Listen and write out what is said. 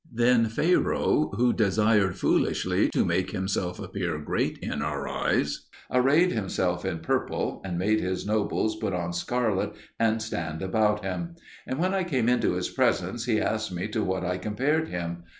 Then Pharaoh, who desired foolishly to make himself appear great in our eyes, arrayed himself in purple, and made his nobles put on scarlet and stand about him; and when I came into his presence he asked me to what I compared him.